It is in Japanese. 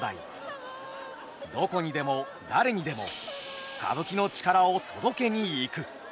どこにでも誰にでも歌舞伎の力を届けに行く。